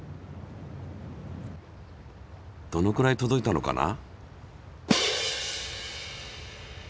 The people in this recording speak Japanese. どのくらい届いたのかな？